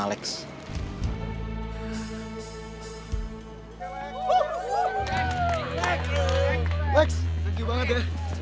alex thank you banget ya